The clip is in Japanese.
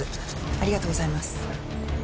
ありがとうございます。